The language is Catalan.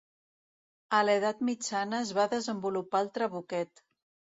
A l'edat mitjana, es va desenvolupar el trabuquet.